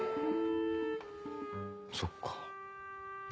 そっか。